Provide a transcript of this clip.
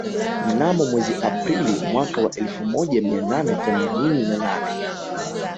Mnamo mwezi Aprili mwaka wa elfu moja mia nane themanini na nane